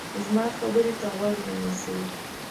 زما خبرې ته غوږ ونیسئ.